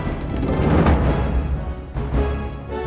masih ada yang nunggu